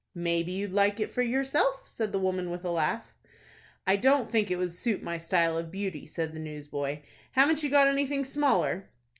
"Maybe you'd like it for yourself," said the woman, with a laugh. "I don't think it would suit my style of beauty," said the newsboy. "Haven't you got anything smaller?"